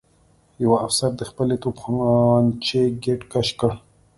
یوه افسر د خپلې توپانچې ګېټ کش کړ